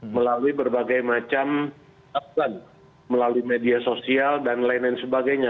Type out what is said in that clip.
melalui berbagai macam melalui media sosial dan lain lain sebagainya